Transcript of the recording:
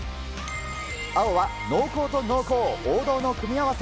青は濃厚と濃厚、王道の組み合わせ。